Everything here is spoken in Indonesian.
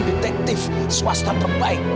detektif swasta terbaik